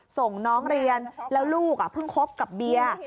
ส่งน้องเรียนแล้วลูกเพิ่งคบกับเบียร์